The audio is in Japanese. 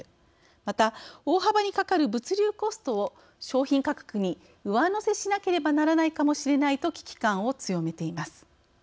また、大幅にかかる物流コストを商品価格に上乗せしなければならないかもしれないと危機感を強めています。